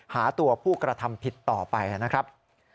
หาตัวผู้กระทำผิดต่อไปนะครับ